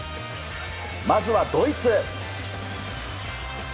まずはドイツ。